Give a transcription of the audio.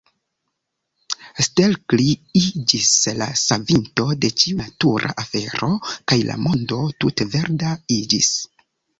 Stelkri iĝis la savinto de ĉiu natura afero, kaj la mondo tute verda iĝis.